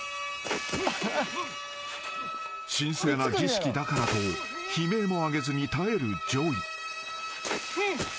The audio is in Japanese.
［神聖な儀式だからと悲鳴も上げずに耐えるＪＯＹ］